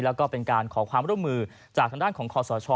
แล้วก็เป็นการขอความร่วมมือจากทางด้านของคอสช